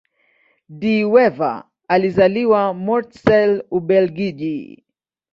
De Wever alizaliwa Mortsel, Ubelgiji.